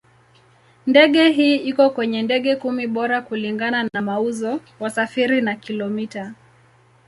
Ndege hii iko kwenye ndege kumi bora kulingana na mauzo, wasafiri na kilomita.